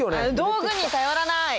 道具に頼らない！